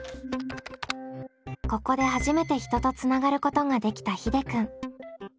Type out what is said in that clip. ここで初めて人とつながることができたひでくん。